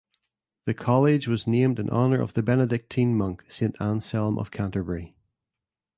The college was named in honor of the Benedictine monk Saint Anselm of Canterbury.